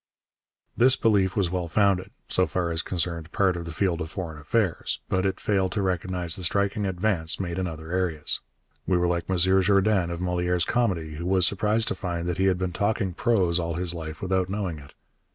This belief was well founded, so far as concerned part of the field of foreign affairs, but it failed to recognize the striking advance made in other areas. We were like M. Jourdain of Molière's comedy, who was surprised to find that he had been talking prose all his life without knowing it.